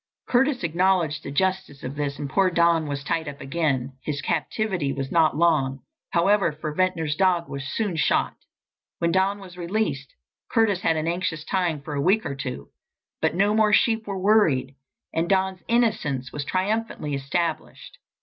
Curtis acknowledged the justice of this and poor Don was tied up again. His captivity was not long, however, for Ventnor's dog was soon shot. When Don was released, Curtis had an anxious time for a week or two. But no more sheep were worried, and Don's innocence was triumphantly established.